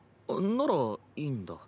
ならいいんだ。